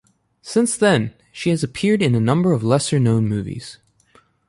Since then, she has appeared in a number of lesser known movies.